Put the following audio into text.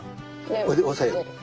それで押さえる。